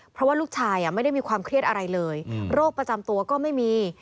เพราะว่าลูกชายไม่ได้มีความเครียดอะไรเลยโรคประจำตัวก็ไม่มี